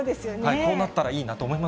こうなったらいいなと思いま